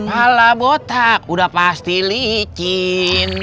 malah botak udah pasti licin